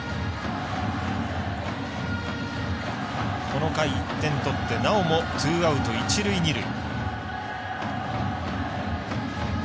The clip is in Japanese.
この回１点取ってなおもツーアウト、一塁二塁。